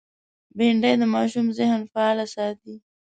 بېنډۍ د ماشوم ذهن فعال ساتي